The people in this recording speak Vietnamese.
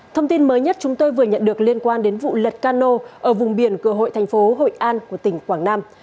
thông tin mới nhất chúng tôi vừa nhận được liên quan đến vụ lật cano ở vùng biển cửa hội thành phố hội an của tỉnh quảng nam